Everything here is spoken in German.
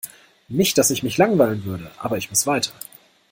Nicht dass ich mich langweilen würde, aber ich muss weiter.